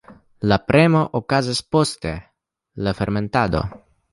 La premo okazas poste la fermentado.